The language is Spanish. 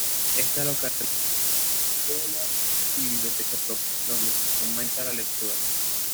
Esta localidad cuenta con escuela y biblioteca propia, donde se fomenta la lectura.